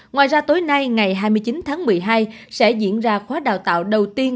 ngoài ra tối nay ngày hai mươi chín tháng một mươi hai sẽ diễn ra khóa đào tạo đầu tiên